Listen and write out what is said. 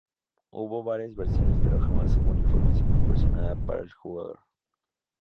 Hubo varias versiones pero jamás hubo una información proporcionada por el jugador.